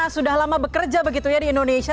sudah lama bekerja begitu ya di indonesia